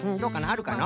あるかな？